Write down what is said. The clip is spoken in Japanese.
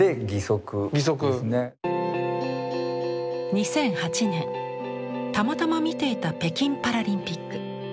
２００８年たまたま見ていた北京パラリンピック。